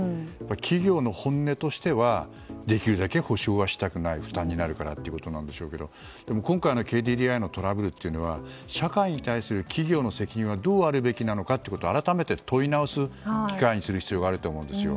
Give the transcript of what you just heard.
企業の本音としてはできるだけ補償はしたくない、負担になるからということでしょうけどでも今回のＫＤＤＩのトラブルは社会に対する企業の責任はどうあるべきなのかを改めて問い直す機会にする必要があると思うんですよ。